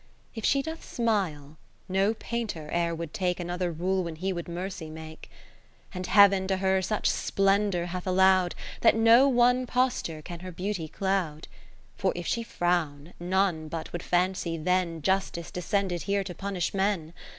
If she doth smile, no painter e'er would take Another rule when he would Mercy make. 20 And Heav'n to her such splendour hath allow'd, That no one posture can her beauty cloud : For if she frown, none but would fancy then Justice descended here to punish men.